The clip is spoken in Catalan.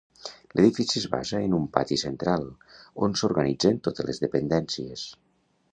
L'edifici es basa en un pati central on s'organitzen totes les dependències.